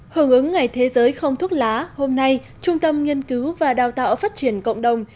hưởng ứng ngày thế giới không thuốc lá hôm nay trung tâm nghiên cứu và đào tạo phát triển cộng đồng